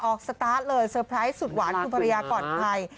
ออกสตาร์ทเลยสุดหวานคุณภรรยาก่อนไป